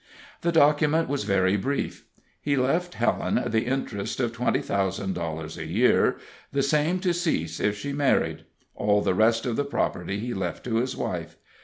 The document was very brief. He left Helen the interest of twenty thousand dollars a year, the same to cease if she married; all the rest of the property he left to his wife.